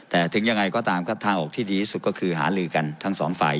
แต่ถึงยังไงก็ตามครับทางออกที่ดีที่สุดก็คือหาลือกันทั้งสองฝ่าย